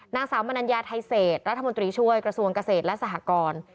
นางสาวมนัญญาไทยเศษรัฐมนตรีช่วยกระทรวงเกษตรและสหกร